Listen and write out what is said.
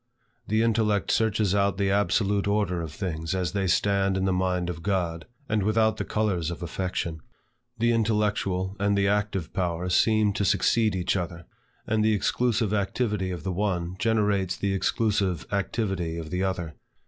The intellect searches out the absolute order of things as they stand in the mind of God, and without the colors of affection. The intellectual and the active powers seem to succeed each other, and the exclusive activity of the one, generates the exclusive activity of the other.